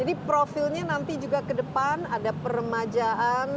jadi profilnya nanti juga ke depan ada peremajaan